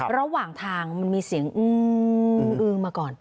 ระหว่างทางมันมีเสียงอื้อมาก่อน